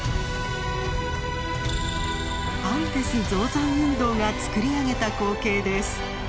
アンデス造山運動がつくり上げた光景です。